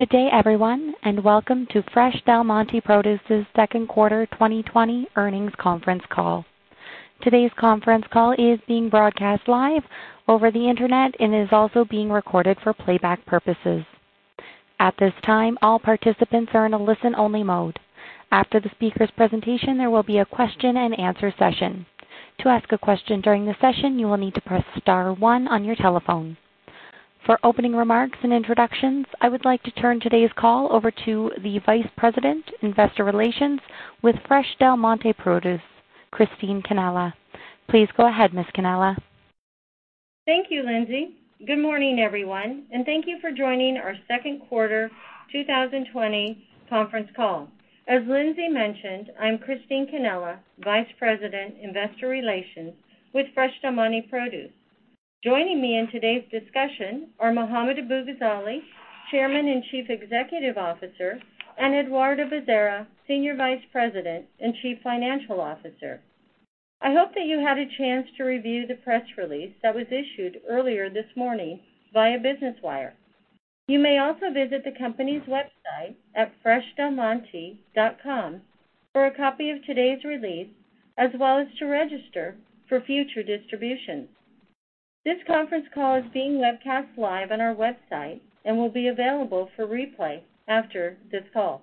Good day, everyone. Welcome to Fresh Del Monte Produce's Second Quarter 2020 Earnings Conference Call. Today's conference call is being broadcast live over the internet and is also being recorded for playback purposes. At this time, all participants are in a listen-only mode. After the speakers' presentation, there will be a question and answer session. To ask a question during the session, you will need to press star one on your telephone. For opening remarks and introductions, I would like to turn today's call over to the Vice President, Investor Relations with Fresh Del Monte Produce, Christine Cannella. Please go ahead, Ms. Cannella. Thank you, Lindsay. Good morning, everyone, and thank you for joining our Second Quarter 2020 Conference Call. As Lindsay mentioned, I'm Christine Cannella, Vice President, Investor Relations with Fresh Del Monte Produce. Joining me in today's discussion are Mohammad Abu-Ghazaleh, Chairman and Chief Executive Officer, and Eduardo Bezerra, Senior Vice President and Chief Financial Officer. I hope that you had a chance to review the press release that was issued earlier this morning via Business Wire. You may also visit the company's website at freshdelmonte.com for a copy of today's release, as well as to register for future distributions. This conference call is being webcast live on our website and will be available for replay after this call.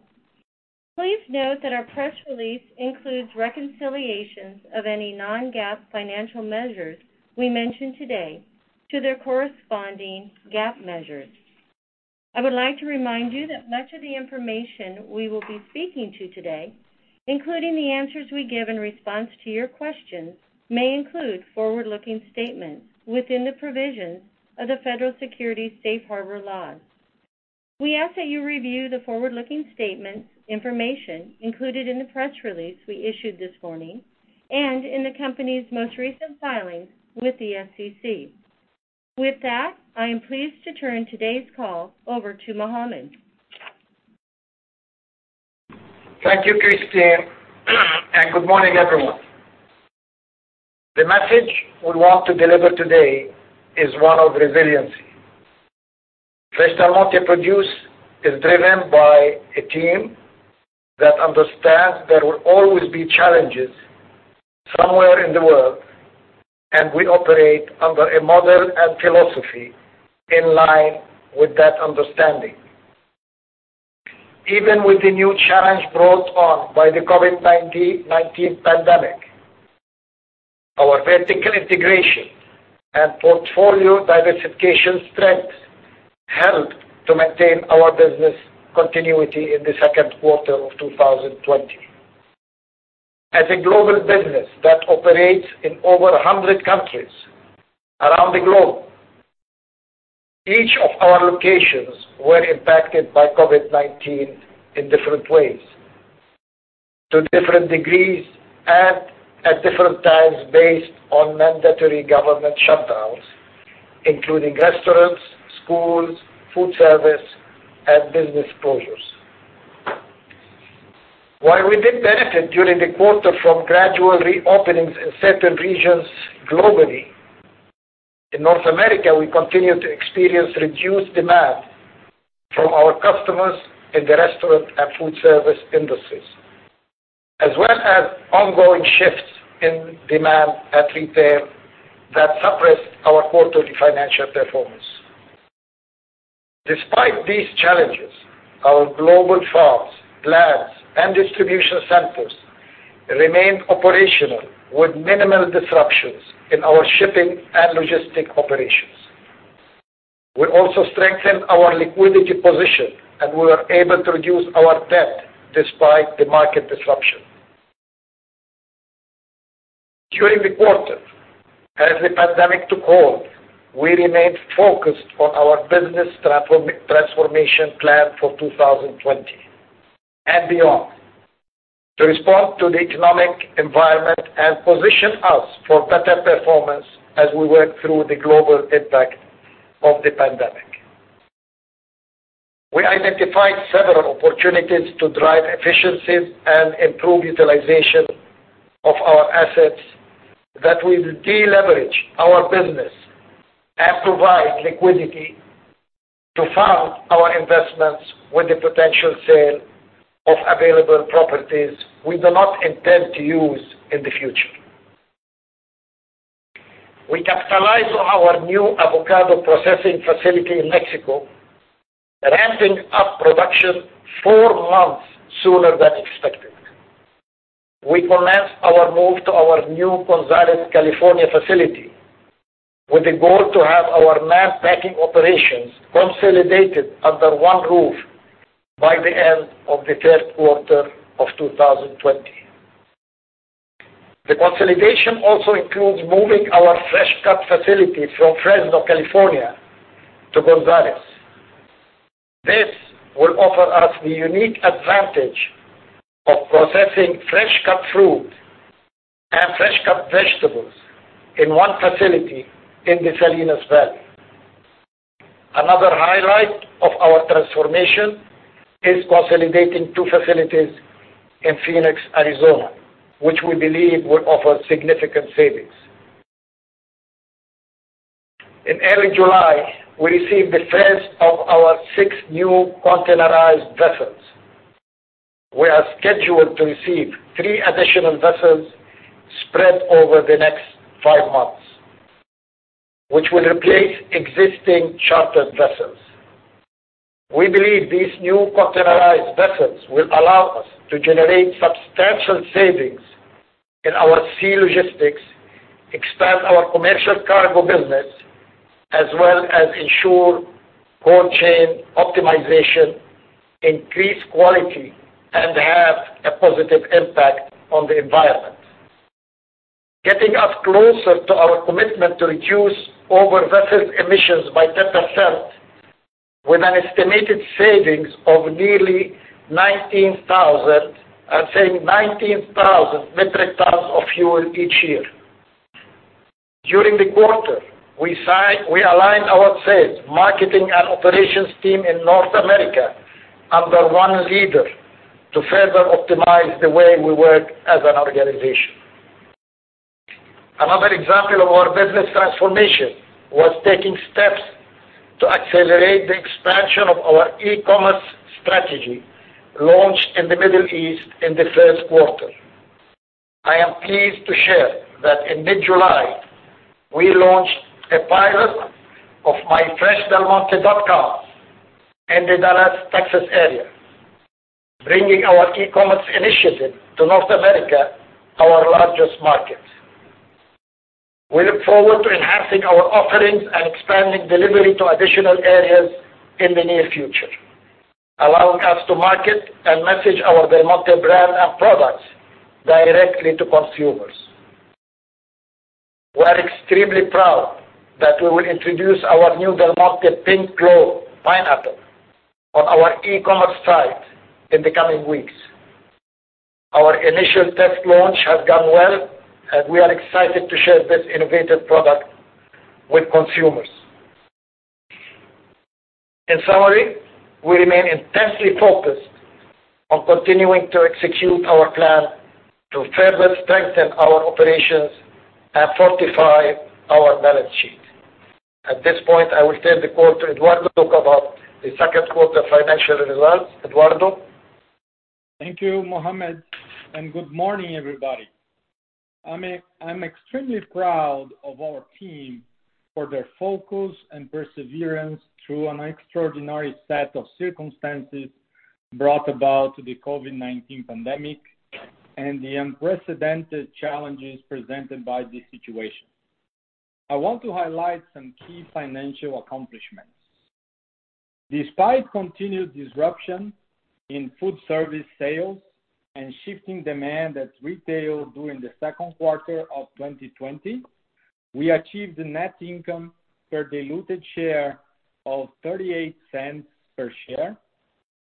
Please note that our press release includes reconciliations of any non-GAAP financial measures we mention today to their corresponding GAAP measures. I would like to remind you that much of the information we will be speaking to today, including the answers we give in response to your questions, may include forward-looking statements within the provisions of the Federal Securities Safe Harbor laws. We ask that you review the forward-looking statement information included in the press release we issued this morning and in the company's most recent filings with the SEC. With that, I am pleased to turn today's call over to Mohammad. Thank you, Christine, and good morning, everyone. The message we want to deliver today is one of resiliency. Fresh Del Monte Produce is driven by a team that understands there will always be challenges somewhere in the world, and we operate under a model and philosophy in line with that understanding. Even with the new challenge brought on by the COVID-19 pandemic, our vertical integration and portfolio diversification strengths helped to maintain our business continuity in the second quarter of 2020. As a global business that operates in over 100 countries around the globe, each of our locations were impacted by COVID-19 in different ways, to different degrees, and at different times based on mandatory government shutdowns, including restaurants, schools, food service, and business closures. While we did benefit during the quarter from gradual reopenings in certain regions globally, in North America, we continued to experience reduced demand from our customers in the restaurant and food service industries, as well as ongoing shifts in demand at retail that suppressed our quarterly financial performance. Despite these challenges, our global farms, plants, and distribution centers remained operational with minimal disruptions in our shipping and logistics operations. We also strengthened our liquidity position, and we were able to reduce our debt despite the market disruption. During the quarter, as the pandemic took hold, we remained focused on our business transformation plan for 2020 and beyond to respond to the economic environment and position us for better performance as we work through the global impact of the pandemic. We identified several opportunities to drive efficiencies and improve utilization of our assets that will de-leverage our business and provide liquidity to fund our investments with the potential sale of available properties we do not intend to use in the future. We capitalized on our new avocado processing facility in Mexico, ramping up production four months sooner than expected. We commenced our move to our new Gonzales, California facility with a goal to have our mass packing operations consolidated under one roof by the end of the third quarter of 2020. The consolidation also includes moving our fresh cut facility from Fresno, California to Gonzales. This will offer us the unique advantage of processing fresh cut fruit and fresh cut vegetables in one facility in the Salinas Valley. Another highlight of our transformation is consolidating two facilities in Phoenix, Arizona, which we believe will offer significant savings. In early July, we received the first of our six new containerized vessels. We are scheduled to receive three additional vessels spread over the next five months, which will replace existing chartered vessels. We believe these new containerized vessels will allow us to generate substantial savings in our sea logistics, expand our commercial cargo business, as well as ensure cold chain optimization, increased quality, and have a positive impact on the environment, getting us closer to our commitment to reduce our vessel emissions by 10% with an estimated savings of nearly 19,000 metric tons of fuel each year. During the quarter, we aligned our sales, marketing, and operations team in North America under one leader to further optimize the way we work as an organization. Another example of our business transformation was taking steps to accelerate the expansion of our e-commerce strategy launched in the Middle East in the first quarter. I am pleased to share that in mid-July, we launched a pilot of myfreshdelmonte.com in the Dallas, Texas, area, bringing our e-commerce initiative to North America, our largest market. We look forward to enhancing our offerings and expanding delivery to additional areas in the near future, allowing us to market and message our Del Monte brand and products directly to consumers. We are extremely proud that we will introduce our new Del Monte Pinkglow pineapple on our e-commerce site in the coming weeks. Our initial test launch has gone well, and we are excited to share this innovative product with consumers. In summary, we remain intensely focused on continuing to execute our plan to further strengthen our operations and fortify our balance sheet. At this point, I will turn the call to Eduardo to talk about the second quarter financial results. Eduardo? Thank you, Mohammad. Good morning, everybody. I'm extremely proud of our team for their focus and perseverance through an extraordinary set of circumstances brought about by the COVID-19 pandemic and the unprecedented challenges presented by this situation. I want to highlight some key financial accomplishments. Despite continued disruption in foodservice sales and shifting demand at retail during the second quarter of 2020, we achieved a net income per diluted share of $0.38 per share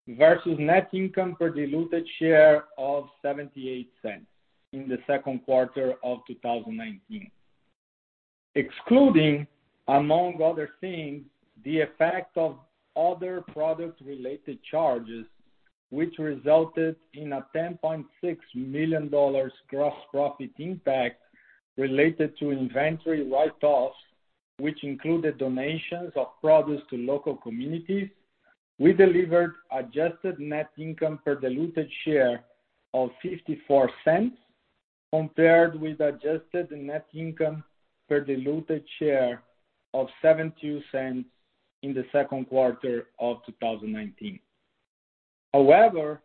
versus net income per diluted share of $0.78 in the second quarter of 2019. Excluding, among other things, the effect of other product-related charges, which resulted in a $10.6 million gross profit impact related to inventory write-offs, which included donations of produce to local communities, we delivered adjusted net income per diluted share of $0.54, compared with adjusted net income per diluted share of $0.72 in the second quarter of 2019. However,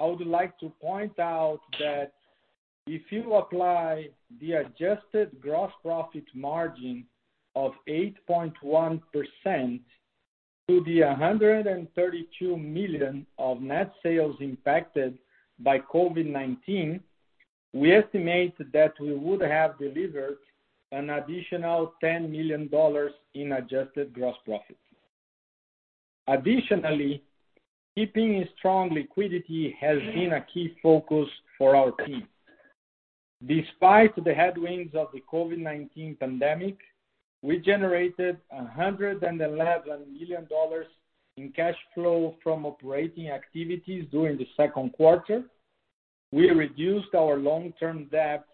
I would like to point out that if you apply the adjusted gross profit margin of 8.1% to the $132 million of net sales impacted by COVID-19, we estimate that we would have delivered an additional $10 million in adjusted gross profit. Additionally, keeping strong liquidity has been a key focus for our team. Despite the headwinds of the COVID-19 pandemic, we generated $111 million in cash flow from operating activities during the second quarter. We reduced our long-term debt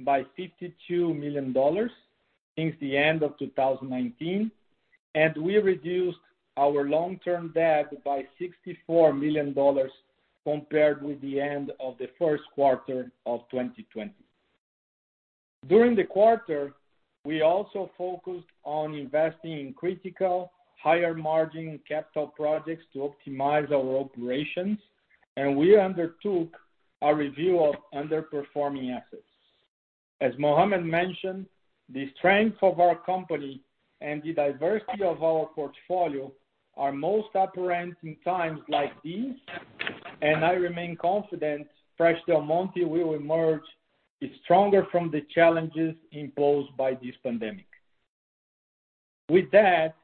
by $52 million since the end of 2019, and we reduced our long-term debt by $64 million compared with the end of the first quarter of 2020. During the quarter, we also focused on investing in critical higher-margin capital projects to optimize our operations, and we undertook a review of underperforming assets. As Mohammad mentioned, the strength of our company and the diversity of our portfolio are most apparent in times like these, and I remain confident Fresh Del Monte will emerge stronger from the challenges imposed by this pandemic. With that,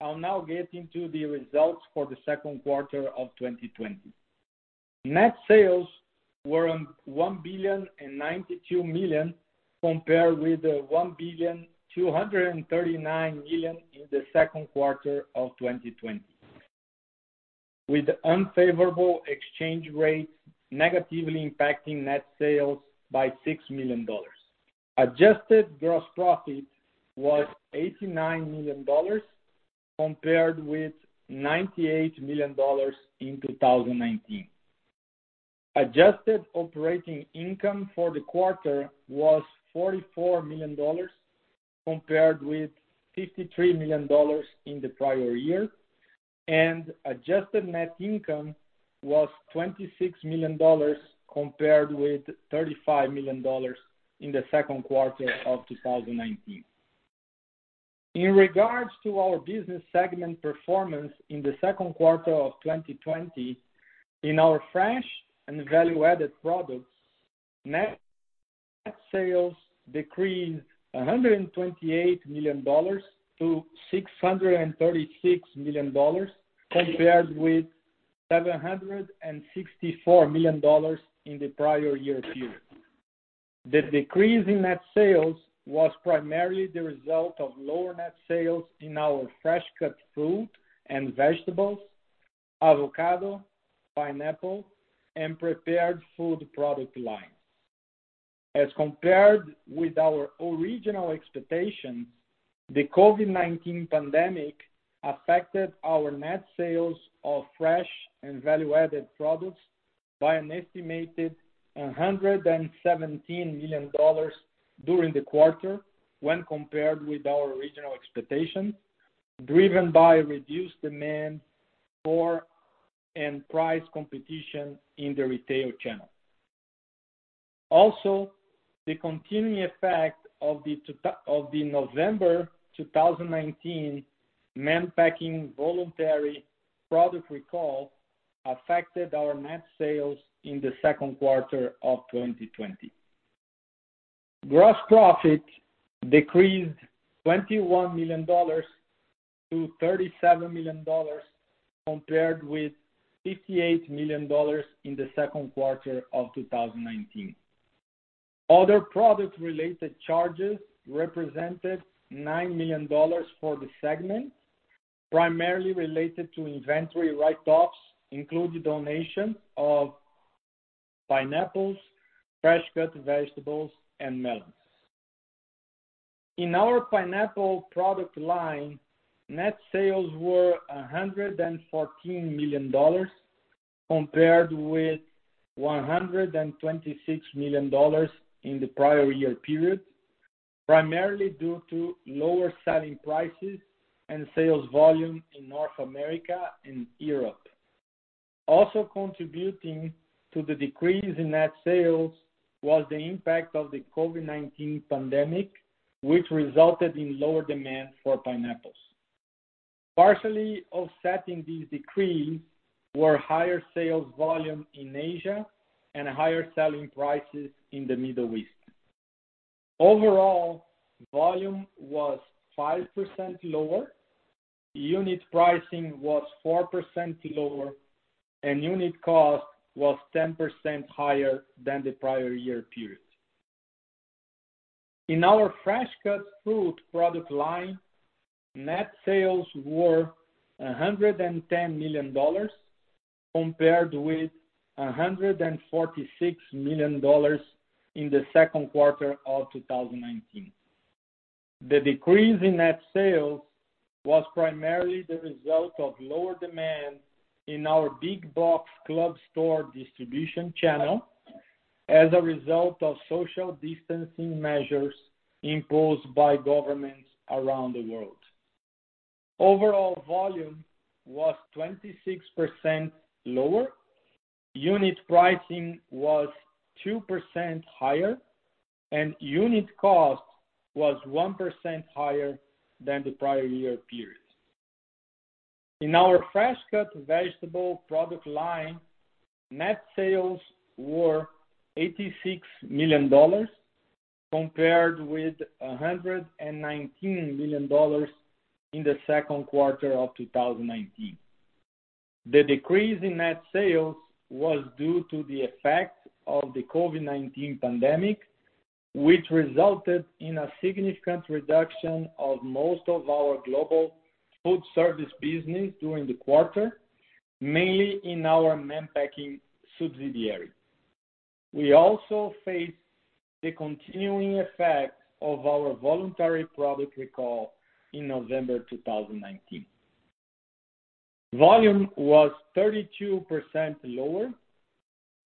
I'll now get into the results for the second quarter of 2020. Net sales were $1 billion and $92 million compared with $1 billion, $239 million, in the second quarter of 2020. With unfavorable exchange rates negatively impacting net sales by $6 million. Adjusted gross profit was $89 million compared with $98 million in 2019. Adjusted operating income for the quarter was $44 million compared with $53 million in the prior year. Adjusted net income was $26 million compared with $35 million in the second quarter of 2019. In regards to our business segment performance in the second quarter of 2020, in our Fresh and Value-Added Products, net sales decreased $128 million to $636 million compared with $764 million in the prior year period. The decrease in net sales was primarily the result of lower net sales in our fresh cut fruit and vegetables, avocado, pineapple, and prepared food product lines. As compared with our original expectations, the COVID-19 pandemic affected our net sales of fresh and value-added products by an estimated $117 million during the quarter when compared with our original expectations, driven by reduced demand for and price competition in the retail channel. Also, the continuing effect of the November 2019 Mann Packing voluntary product recall affected our net sales in the second quarter of 2020. Gross profit decreased $21 million to $37 million compared with $58 million in the second quarter of 2019. Other product-related charges represented $9 million for the segment, primarily related to inventory write-offs, including donation of pineapples, fresh cut vegetables, and melons. In our pineapple product line, net sales were $114 million compared with $126 million in the prior year period, primarily due to lower selling prices and sales volume in North America and Europe. Also contributing to the decrease in net sales was the impact of the COVID-19 pandemic, which resulted in lower demand for pineapples. Partially offsetting this decrease were higher sales volume in Asia and higher selling prices in the Middle East. Overall, volume was 5% lower, unit pricing was 4% lower, and unit cost was 10% higher than the prior year period. In our fresh cut fruit product line, net sales were $110 million compared with $146 million in the second quarter of 2019. The decrease in net sales was primarily the result of lower demand in our big box club store distribution channel as a result of social distancing measures imposed by governments around the world. Overall volume was 26% lower, unit pricing was 2% higher, and unit cost was 1% higher than the prior year period. In our fresh cut vegetable product line, net sales were $86 million compared with $119 million in the second quarter of 2019. The decrease in net sales was due to the effect of the COVID-19 pandemic, which resulted in a significant reduction of most of our global food service business during the quarter, mainly in our Mann Packing subsidiary. We also faced the continuing effects of our voluntary product recall in November 2019. Volume was 32% lower,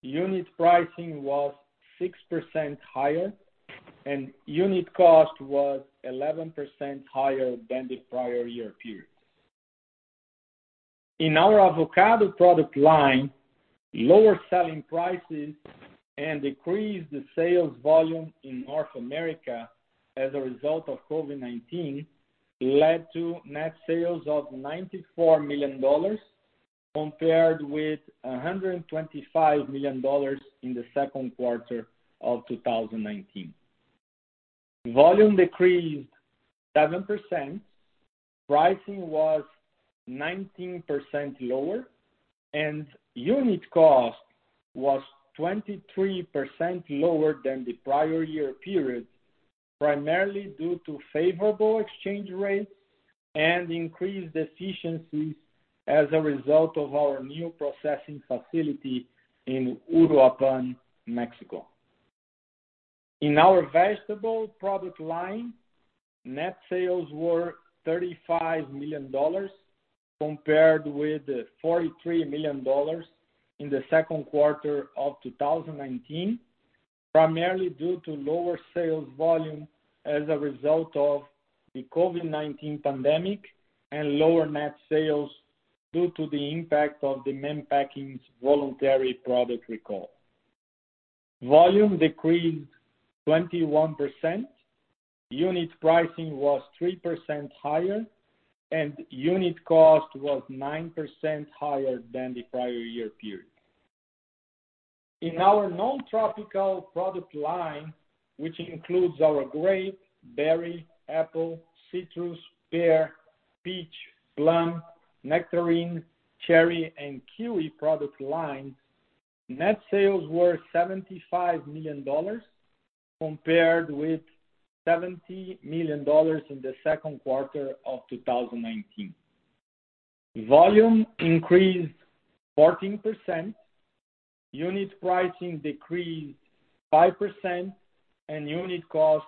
unit pricing was 6% higher, and unit cost was 11% higher than the prior year period. In our avocado product line, lower selling prices and decreased sales volume in North America as a result of COVID-19 led to net sales of $94 million compared with $125 million in the second quarter of 2019. Volume decreased 7%, pricing was 19% lower, and unit cost was 23% lower than the prior year period. Primarily due to favorable exchange rates and increased efficiencies as a result of our new processing facility in Uruapan, Mexico. In our vegetable product line, net sales were $35 million compared with $43 million in the second quarter of 2019. Primarily due to lower sales volume as a result of the COVID-19 pandemic, and lower net sales due to the impact of the Mann Packing's voluntary product recall. Volume decreased 21%, unit pricing was 3% higher, and unit cost was 9% higher than the prior year period. In our non-tropical product line, which includes our grape, berry, apple, citrus, pear, peach, plum, nectarine, cherry, and kiwi product lines, net sales were $75 million compared with $70 million in the second quarter of 2019. Volume increased 14%, unit pricing decreased 5%, and unit cost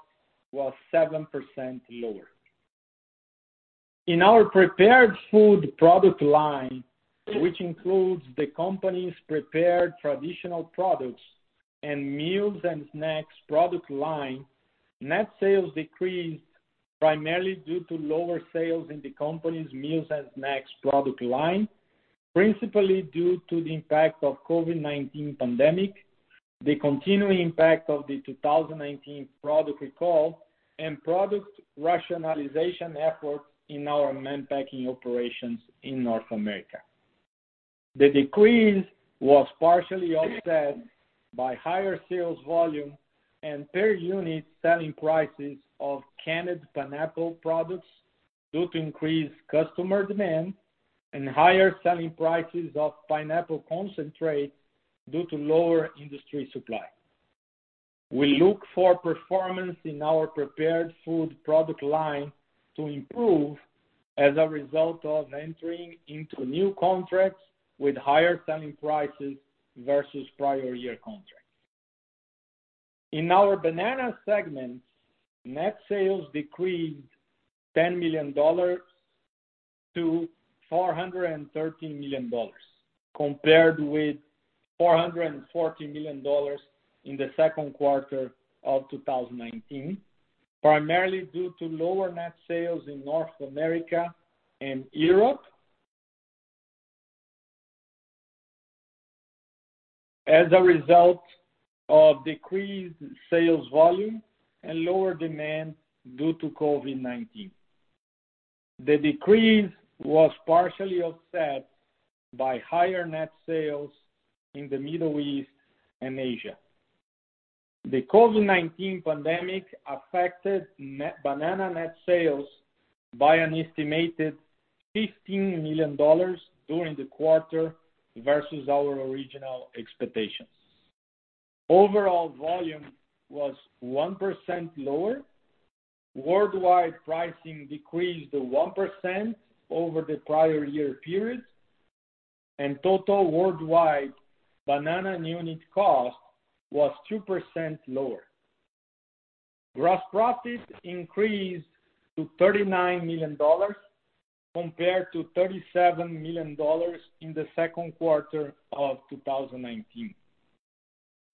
was 7% lower. In our prepared food product line, which includes the company's prepared traditional products and meals and snacks product line, net sales decreased primarily due to lower sales in the company's meals and snacks product line, principally due to the impact of COVID-19 pandemic, the continuing impact of the 2019 product recall, and product rationalization efforts in our Mann Packing operations in North America. The decrease was partially offset by higher sales volume and per-unit selling prices of canned pineapple products due to increased customer demand, and higher selling prices of pineapple concentrate due to lower industry supply. We look for performance in our prepared food product line to improve as a result of entering into new contracts with higher selling prices versus prior year contracts. In our banana segment, net sales decreased $10 million to $413 million, compared with $440 million in the second quarter of 2019. Primarily due to lower net sales in North America and Europe as a result of decreased sales volume and lower demand due to COVID-19. The decrease was partially offset by higher net sales in the Middle East and Asia. The COVID-19 pandemic affected banana net sales by an estimated $15 million during the quarter versus our original expectations. Overall volume was 1% lower. Worldwide pricing decreased 1% over the prior year period, and total worldwide banana unit cost was 2% lower. Gross profit increased to $39 million compared to $37 million in the second quarter of 2019.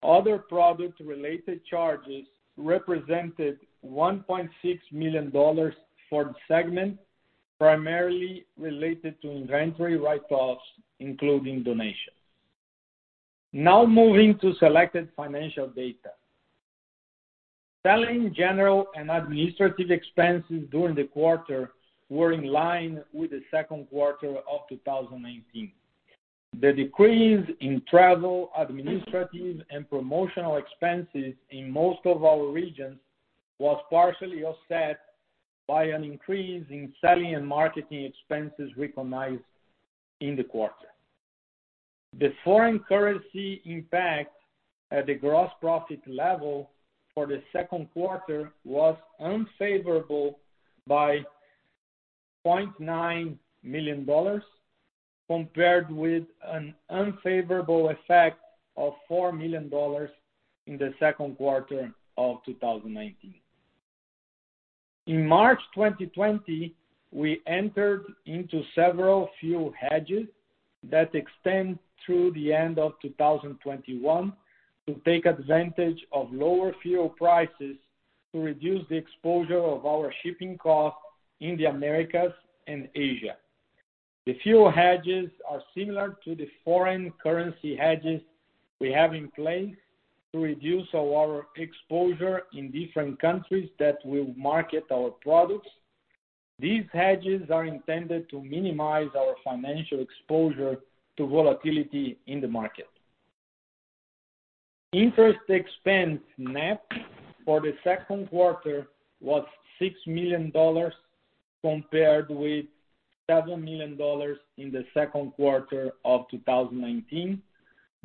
Other product-related charges represented $1.6 million for the segment, primarily related to inventory write-offs, including donations. Now moving to selected financial data. Selling, general, and administrative expenses during the quarter were in line with the second quarter of 2019. The decrease in travel, administrative, and promotional expenses in most of our regions was partially offset by an increase in selling and marketing expenses recognized in the quarter. The foreign currency impact at the gross profit level for the second quarter was unfavorable by $0.9 million, compared with an unfavorable effect of $4 million in the second quarter of 2019. In March 2020, we entered into several fuel hedges that extend through the end of 2021 to take advantage of lower fuel prices to reduce the exposure of our shipping costs in the Americas and Asia. The fuel hedges are similar to the foreign currency hedges we have in place to reduce our exposure in different countries that we market our products. These hedges are intended to minimize our financial exposure to volatility in the market. Interest expense net for the second quarter was $6 million compared with $7 million in the second quarter of 2019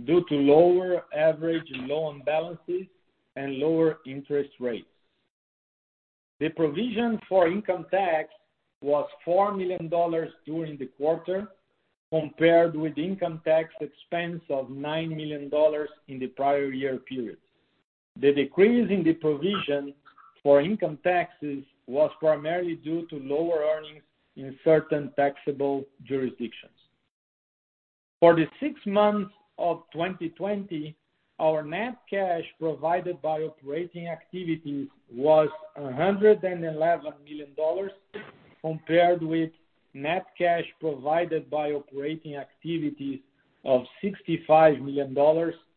due to lower average loan balances and lower interest rates. The provision for income tax was $4 million during the quarter compared with income tax expense of $9 million in the prior year period. The decrease in the provision for income taxes was primarily due to lower earnings in certain taxable jurisdictions. For the six months of 2020, our net cash provided by operating activities was $111 million, compared with net cash provided by operating activities of $65 million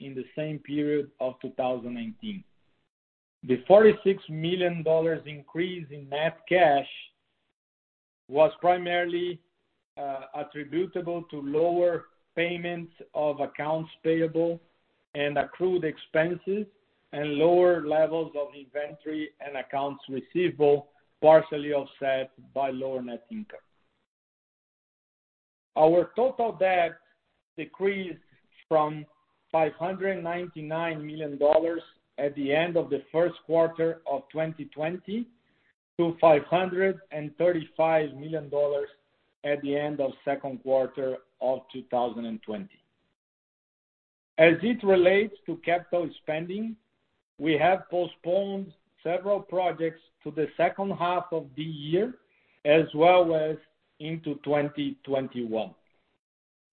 in the same period of 2019. The $46 million increase in net cash was primarily attributable to lower payments of accounts payable and accrued expenses and lower levels of inventory and accounts receivable, partially offset by lower net income. Our total debt decreased from $599 million at the end of the first quarter of 2020 to $535 million at the end of second quarter of 2020. As it relates to capital spending, we have postponed several projects to the second half of the year, as well as into 2021.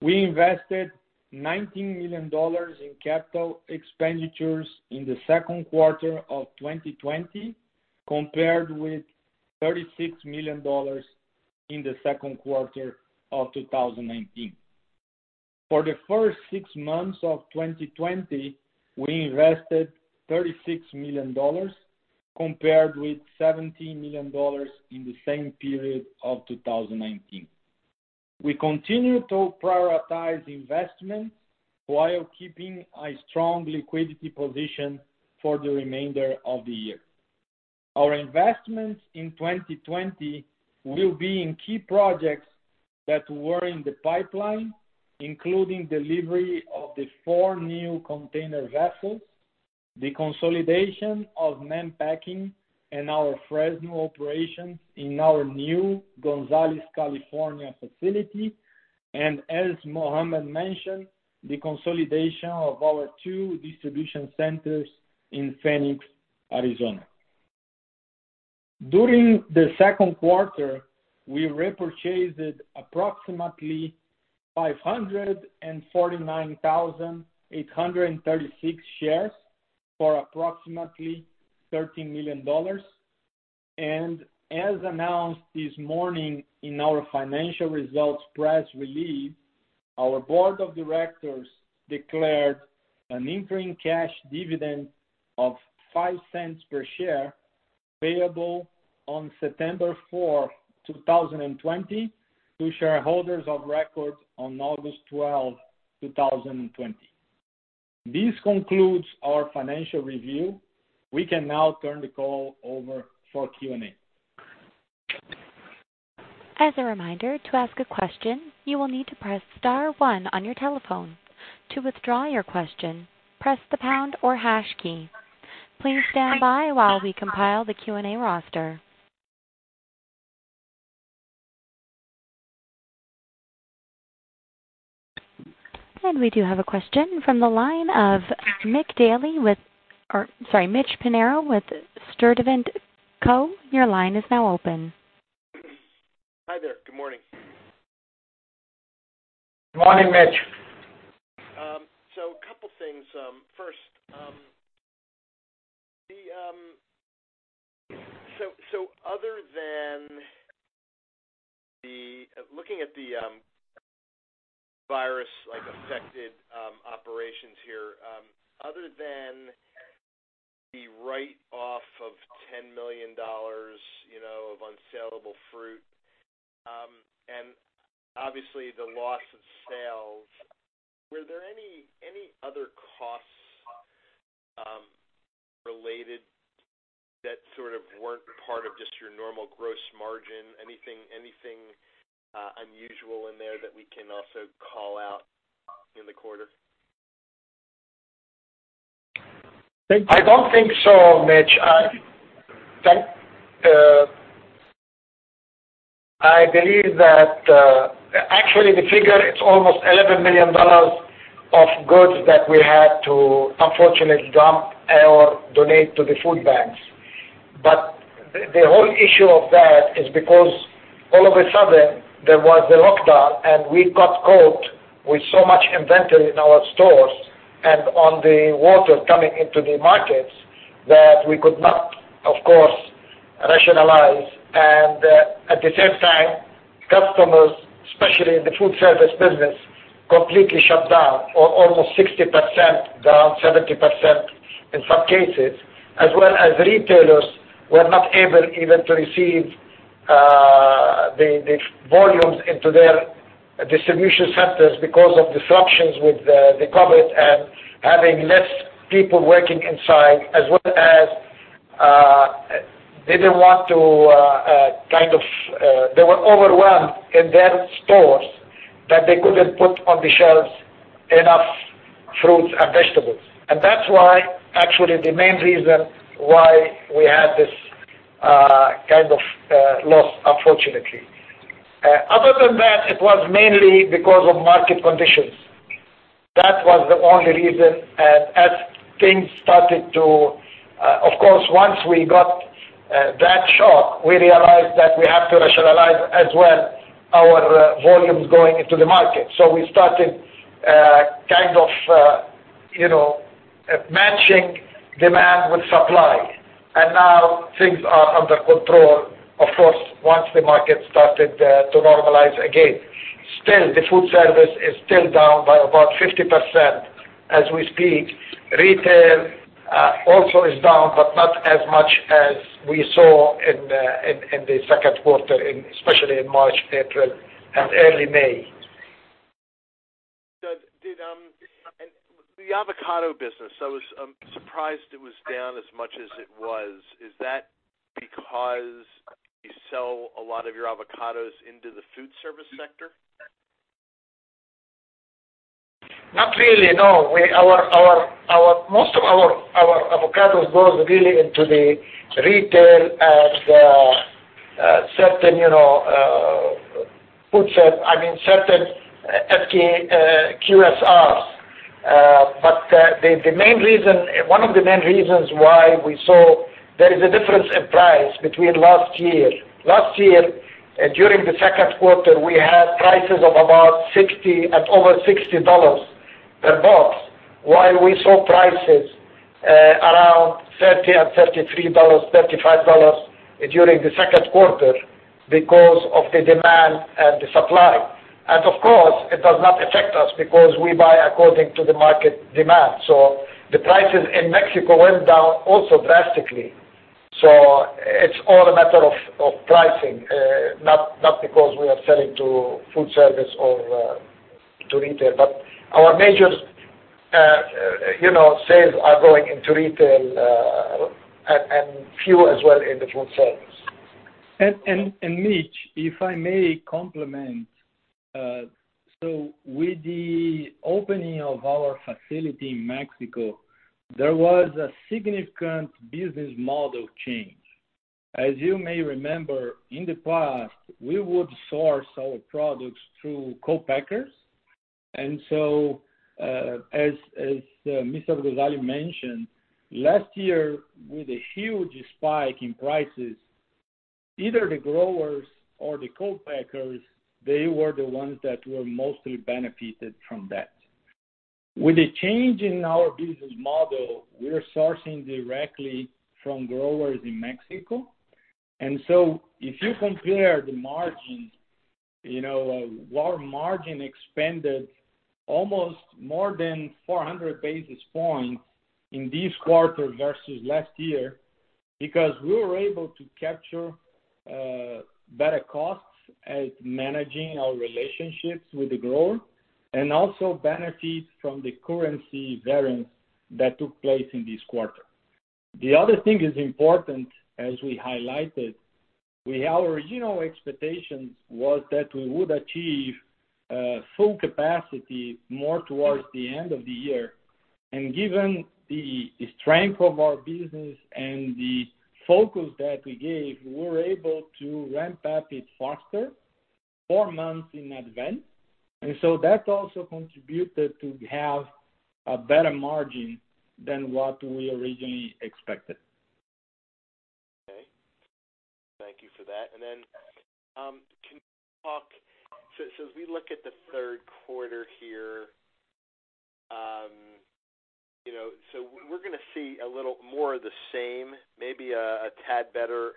We invested $19 million in capital expenditures in the second quarter of 2020, compared with $36 million in the second quarter of 2019. For the first six months of 2020, we invested $36 million, compared with $17 million in the same period of 2019. We continue to prioritize investments while keeping a strong liquidity position for the remainder of the year. Our investments in 2020 will be in key projects that were in the pipeline, including delivery of the four new container vessels, the consolidation of Mann Packing and our Fresno operations in our new Gonzales, California facility, and as Mohammad mentioned, the consolidation of our two distribution centers in Phoenix, Arizona. During the second quarter, we repurchased approximately 549,836 shares for approximately $13 million. As announced this morning in our financial results press release, our board of directors declared an interim cash dividend of $0.05 per share, payable on September 4, 2020, to shareholders of record on August 12, 2020. This concludes our financial review. We can now turn the call over for Q&A. As a reminder, to ask a question, you will need to press star one on your telephone. To withdraw your question, press the pound or hash key. Please stand by while we compile the Q&A roster. We do have a question from the line of Mitch Pinheiro with Sturdivant & Co. Your line is now open. Hi there. Good morning. Morning, Mitch. A couple things. First, looking at the virus-affected operations here, other than the write-off of $10 million of unsalable fruit, and obviously the loss of sales, were there any other costs related that weren't part of just your normal gross margin? Anything unusual in there that we can also call out in the quarter? I don't think so, Mitch. I believe that actually the figure, it's almost $11 million of goods that we had to unfortunately dump or donate to the food banks. The whole issue of that is because all of a sudden there was a lockdown, and we got caught with so much inventory in our stores and on the water coming into the markets that we could not, of course, rationalize. At the same time, customers, especially in the food service business, completely shut down, or almost 60% down, 70% in some cases, as well as retailers were not able even to receive the volumes into their Distribution centers because of disruptions with the COVID-19 and having less people working inside, as well as they were overwhelmed in their stores that they couldn't put on the shelves enough fruits and vegetables. That's why, actually, the main reason why we had this kind of loss, unfortunately. Other than that, it was mainly because of market conditions. That was the only reason. Of course, once we got that shock, we realized that we have to rationalize as well our volumes going into the market. We started matching demand with supply, and now things are under control, of course, once the market started to normalize again. Still, the food service is still down by about 50% as we speak. Retail also is down, but not as much as we saw in the second quarter, especially in March, April, and early May. The avocado business, I was surprised it was down as much as it was. Is that because you sell a lot of your avocados into the food service sector? Not really, no. Most of our avocados goes really into the retail and certain food service— I mean certain QSRs. One of the main reasons why we saw there is a difference in price between last year. Last year, during the second quarter, we had prices of about $60 and over $60 per box, while we saw prices around $30 and $33, $35 during the second quarter because of the demand and the supply. Of course, it does not affect us because we buy according to the market demand. The prices in Mexico went down also drastically. It's all a matter of pricing, not because we are selling to food service or to retail. Our major sales are going into retail, and few as well in the food service. Mitch, if I may complement. With the opening of our facility in Mexico, there was a significant business model change. As you may remember, in the past, we would source our products through co-packers. As Mr. Abu-Ghazaleh mentioned, last year, with a huge spike in prices, either the growers or the co-packers, they were the ones that were mostly benefited from that. With the change in our business model, we are sourcing directly from growers in Mexico. If you compare the margins, our margin expanded almost more than 400 basis points in this quarter versus last year because we were able to capture better costs at managing our relationships with the grower, and also benefit from the currency variance that took place in this quarter. The other thing is important, as we highlighted, our original expectation was that we would achieve full capacity more towards the end of the year. Given the strength of our business and the focus that we gave, we were able to ramp up it faster, four months in advance. That also contributed to have a better margin than what we originally expected. Okay. Thank you for that. Can you talk, as we look at the third quarter here, we're going to see a little more of the same, maybe a tad better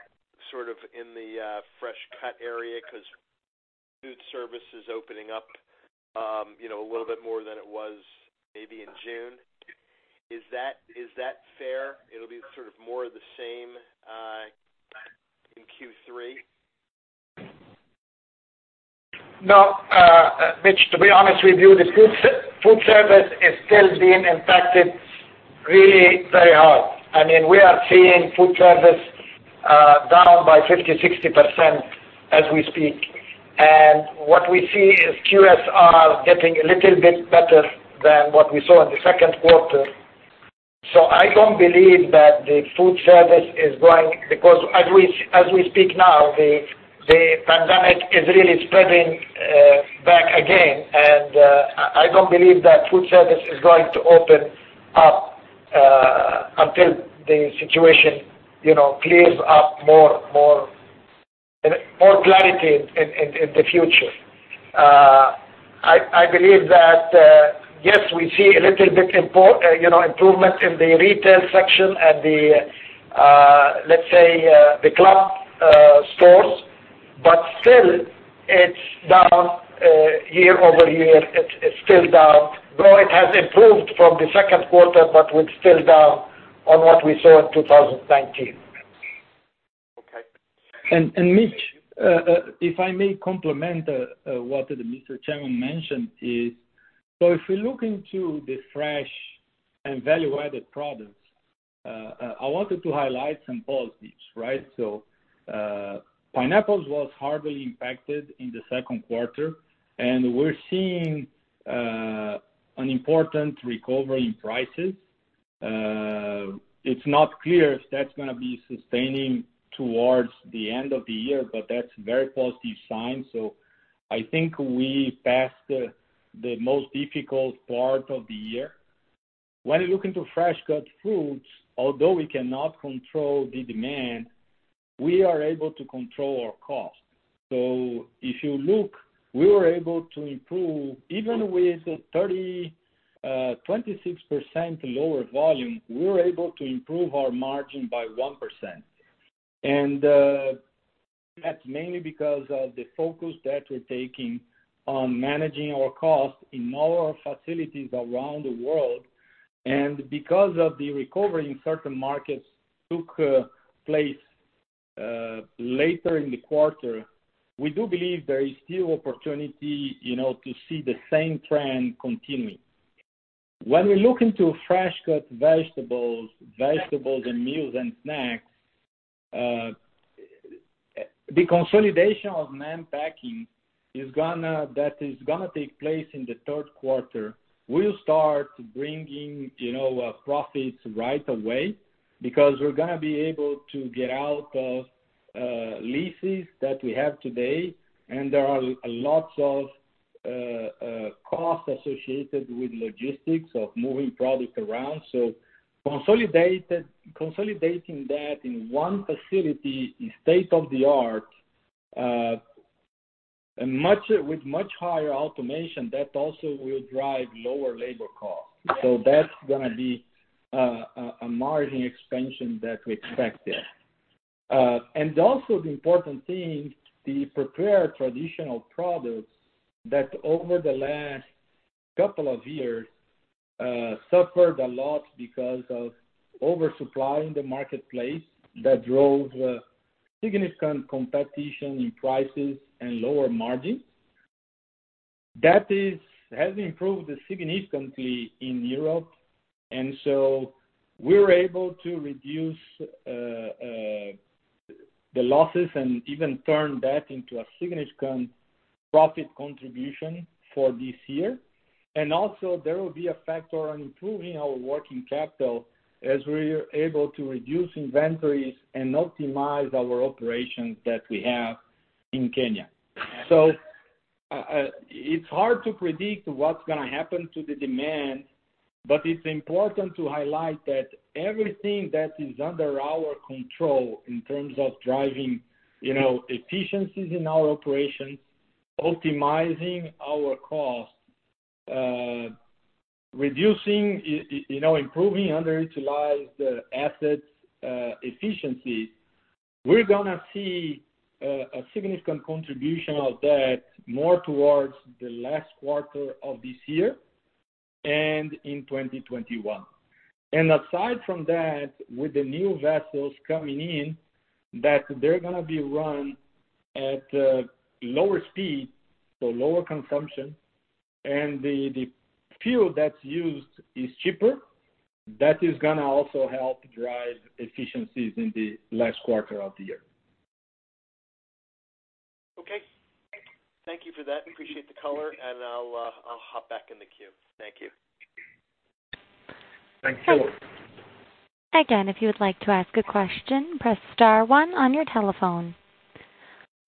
sort of in the fresh cut area because food service is opening up a little bit more than it was maybe in June. Is that fair? It'll be sort of more of the same in Q3? No, Mitch, to be honest with you, the food service is still being impacted really very hard. We are seeing food service down by 50%, 60% as we speak. What we see is QSR getting a little bit better than what we saw in the second quarter. I don't believe that the food service is going because as we speak now, the pandemic is really spreading back again, and I don't believe that food service is going to open up until the situation clears up more clarity in the future. I believe that, yes, we see a little bit improvement in the retail section and the, let's say, the club stores, but still, it's down year-over-year. It's still down, though it has improved from the second quarter, but we're still down on what we saw in 2019. Okay. Mitch, if I may complement what Mr. Chairman mentioned is, if we look into the fresh and value-added products, I wanted to highlight some positives, right? Pineapples was hardly impacted in the second quarter, and we're seeing an important recovery in prices. It's not clear if that's going to be sustaining towards the end of the year, but that's a very positive sign. I think we passed the most difficult part of the year. When you look into fresh cut fruits, although we cannot control the demand, we are able to control our cost. If you look, we were able to improve even with 30%, 26% lower volume, we were able to improve our margin by 1%. That's mainly because of the focus that we're taking on managing our cost in all our facilities around the world. Because of the recovery in certain markets took place later in the quarter, we do believe there is still opportunity to see the same trend continuing. When we look into fresh cut vegetables, and meals and snacks, the consolidation of Mann Packing that is going to take place in the third quarter will start bringing profits right away because we're going to be able to get out of leases that we have today. There are lots of costs associated with logistics of moving product around. Consolidating that in one facility, is state of the art, with much higher automation, that also will drive lower labor costs. That's going to be a margin expansion that we expected. Also the important thing, the prepared traditional products that over the last couple of years suffered a lot because of oversupply in the marketplace that drove significant competition in prices and lower margins. That has improved significantly in Europe, and so we were able to reduce the losses and even turn that into a significant profit contribution for this year. Also there will be a factor on improving our working capital as we're able to reduce inventories and optimize our operations that we have in Kenya. It's hard to predict what's going to happen to the demand, but it's important to highlight that everything that is under our control in terms of driving efficiencies in our operations, optimizing our costs, improving underutilized assets efficiency. We're going to see a significant contribution of that more towards the last quarter of this year and in 2021. Aside from that, with the new vessels coming in, that they're going to be run at lower speed, so lower consumption, and the fuel that's used is cheaper. That is going to also help drive efficiencies in the last quarter of the year. Okay. Thank you for that. Appreciate the color. I'll hop back in the queue. Thank you. Thanks. Again, if you would like to ask a question, press star one on your telephone.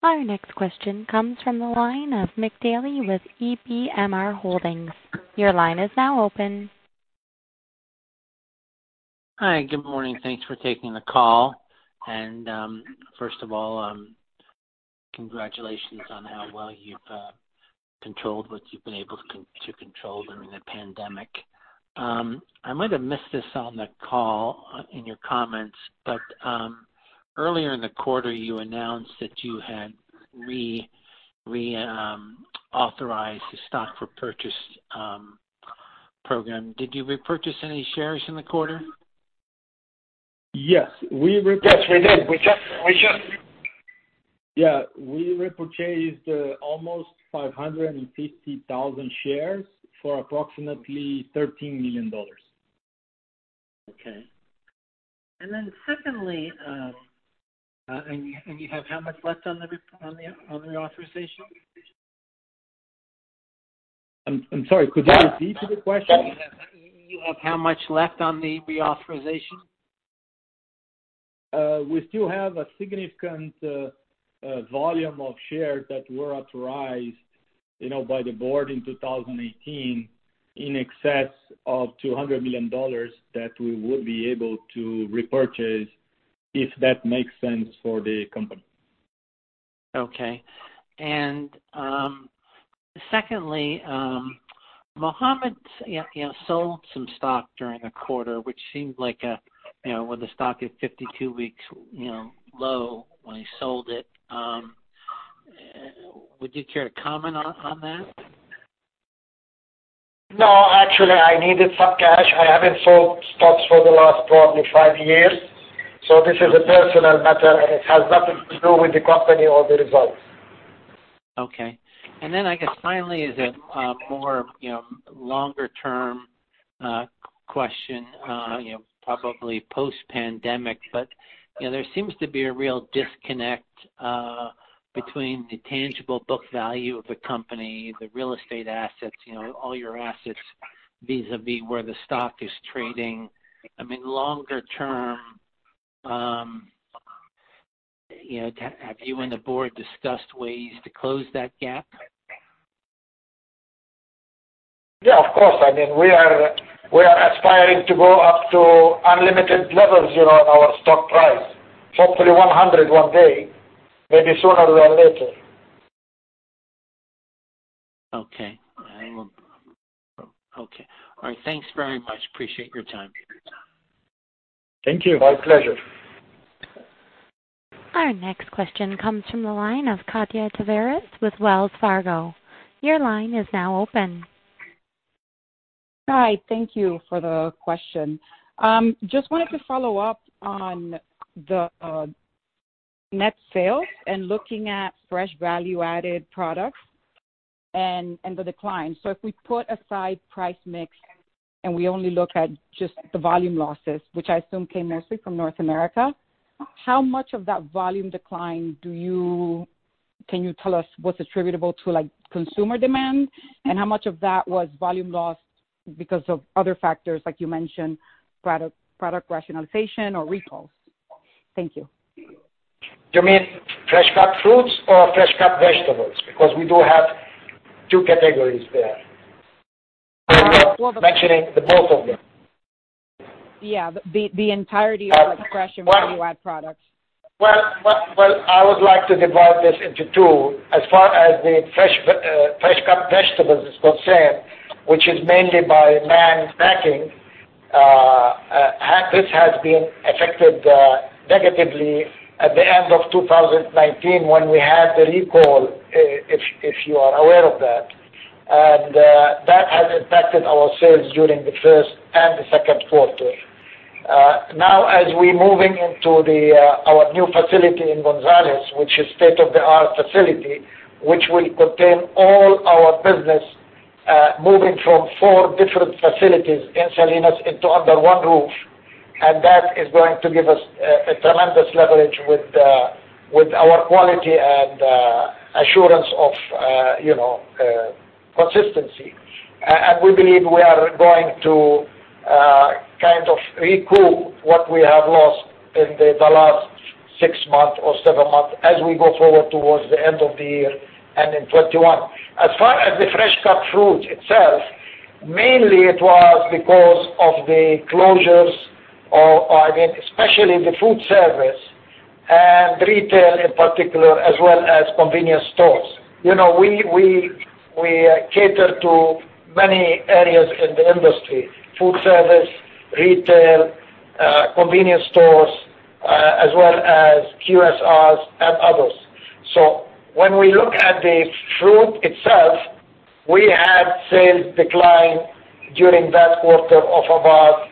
Our next question comes from the line of Mick Daly with EBMR Holdings. Your line is now open. Hi. Good morning. Thanks for taking the call. First of all, congratulations on how well you've controlled what you've been able to control during the pandemic. I might have missed this on the call in your comments, earlier in the quarter, you announced that you had reauthorized the stock repurchase program. Did you repurchase any shares in the quarter? Yes. Yes, we did. Yeah, we repurchased almost 550,000 shares for approximately $13 million. Okay. Secondly, and you have how much left on the reauthorization? I'm sorry, could you repeat the question? You have how much left on the reauthorization? We still have a significant volume of shares that were authorized by the board in 2018 in excess of $200 million that we would be able to repurchase if that makes sense for the company. Okay. Secondly, Mohammad sold some stock during the quarter, which seemed like when the stock hit 52-week low when he sold it. Would you care to comment on that? No, actually, I needed some cash. I haven't sold stocks for the last probably five years. This is a personal matter, and it has nothing to do with the company or the results. Okay. I guess finally is a more longer-term question, probably post-pandemic, but there seems to be a real disconnect between the tangible book value of the company, the real estate assets, all your assets vis-a-vis where the stock is trading. I mean, longer term, have you and the board discussed ways to close that gap? Yeah, of course. I mean, we are aspiring to go up to unlimited levels in our stock price. Hopefully, $100 one day, maybe sooner than later. Okay. All right. Thanks very much. Appreciate your time. Thank you. My pleasure. Our next question comes from the line of Katia Tavares with Wells Fargo. Your line is now open. Hi. Thank you for the question. Just wanted to follow up on the net sales and looking at fresh value-added products and the decline. If we put aside price mix and we only look at just the volume losses, which I assume came mostly from North America, how much of that volume decline can you tell us what's attributable to consumer demand, and how much of that was volume lost because of other factors like you mentioned, product rationalization or recalls? Thank you. Do you mean fresh-cut fruits or fresh-cut vegetables? We do have two categories there. You're not mentioning the both of them. Yeah. The entirety of the fresh and value-add products. Well, I would like to divide this into two. As far as the fresh-cut vegetables is concerned, which is mainly by Mann Packing, this has been affected negatively at the end of 2019 when we had the recall, if you are aware of that. That has impacted our sales during the first and the second quarter. Now, as we're moving into our new facility in Gonzales, which is state-of-the-art facility, which will contain all our business, moving from four different facilities in Salinas into under one roof, that is going to give us a tremendous leverage with our quality and assurance of consistency. We believe we are going to kind of recoup what we have lost in the last six months or seven months as we go forward towards the end of the year and in 2021. As far as the fresh-cut fruit itself, mainly it was because of the closures of, again, especially the food service and retail in particular, as well as convenience stores. We cater to many areas in the industry, food service, retail, convenience stores, as well as QSRs and others. When we look at the fruit itself, we had sales decline during that quarter of about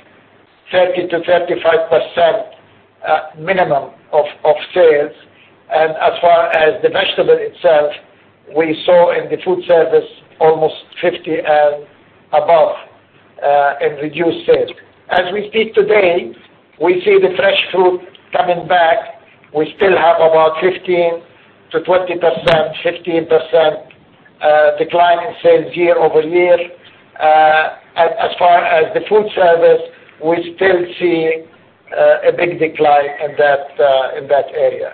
30%-35% minimum of sales. As far as the vegetable itself, we saw in the food service almost 50% and above in reduced sales. As we speak today, we see the fresh fruit coming back. We still have about 15%-20%, 15% decline in sales year-over-year. As far as the food service, we still see a big decline in that area.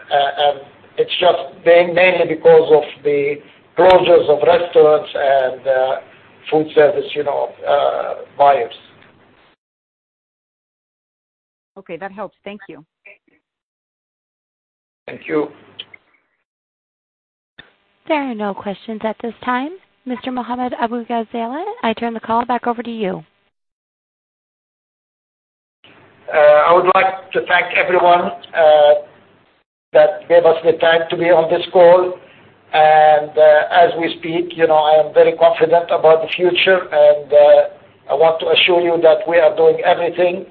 It's just mainly because of the closures of restaurants and food service buyers. Okay. That helps. Thank you. Thank you. There are no questions at this time. Mr. Mohammad Abu-Ghazaleh, I turn the call back over to you. I would like to thank everyone that gave us the time to be on this call. As we speak, I am very confident about the future, and I want to assure you that we are doing everything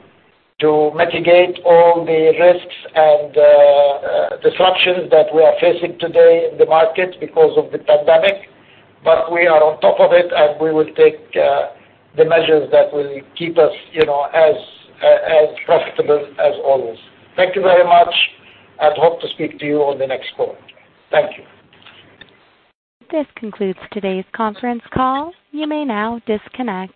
to mitigate all the risks and disruptions that we are facing today in the market because of the pandemic. We are on top of it, and we will take the measures that will keep us as profitable as always. Thank you very much, and hope to speak to you on the next call. Thank you. This concludes today's conference call. You may now disconnect.